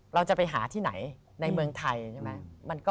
เราจะไปหาที่ไหนในเมืองไทยใช่ไหม